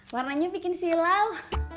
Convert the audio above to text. warnanya bikin silau